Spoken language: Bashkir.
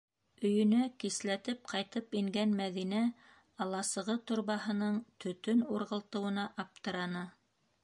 ...Өйөнә кисләтеп ҡайтып ингән Мәҙинә аласығы торбаһының төтөн урғылтыуына аптыраны.